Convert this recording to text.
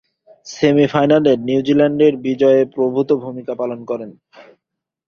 সেমি-ফাইনালে নিউজিল্যান্ডের বিজয়ে প্রভূতঃ ভূমিকা পালন করেন।